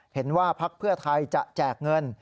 เห็นว่าพักเพื่อไทยจะแจกเงิน